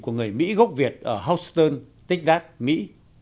của người mỹ gốc việt ở houston texas mỹ